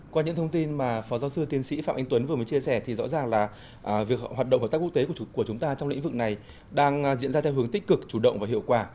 qua những thông tin mà phó giáo sư tiến sĩ phạm anh tuấn vừa mới chia sẻ thì rõ ràng là việc hoạt động hợp tác quốc tế của chúng ta trong lĩnh vực này đang diễn ra theo hướng tích cực chủ động và hiệu quả